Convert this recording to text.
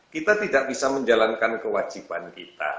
kita tidak bisa menjalankan kewajiban kita